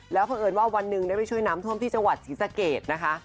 เพราะเอิญว่าวันหนึ่งได้ไปช่วยน้ำท่วมที่จังหวัดศรีสะเกดนะคะ